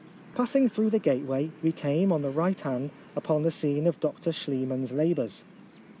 Passing through the gateway, we came, on the right hand, upon the scene of Dr Schliemann's labours.